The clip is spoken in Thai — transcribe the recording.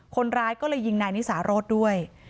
คนร้ายก็เลยยิงนายนิสารสด้วย